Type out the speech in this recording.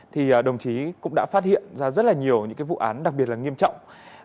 thì đồng chí cũng đã phát hiện ra rất là nhiều những cái vụ án đặc biệt là nghiêm trọng